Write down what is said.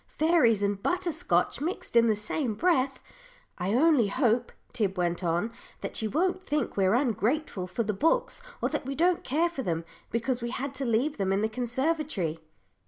Fairies and butter scotch mixed in the same breath. I only hope," Tib went on, "that she won't think we're ungrateful for the books, or that we don't care for them, because we had to leave them in the conservatory."